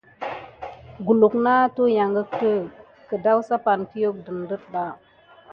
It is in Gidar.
Kulu na tuwunka ɗe bonoki huvon balté bebaye kidiko tiwukini.